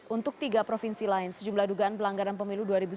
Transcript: untuk tiga provinsi lain sejumlah dugaan pelanggaran pemilu dua ribu sembilan belas